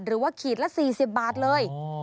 หรือว่าขีดละ๔๐บาทเลย